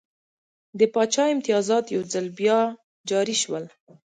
د پاچا امتیازات یو ځل بیا جاري شول.